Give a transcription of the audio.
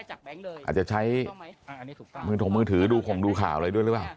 อาจจะใช้มือถงมือถือดูขงดูข่าวอะไรด้วยหรือเปล่า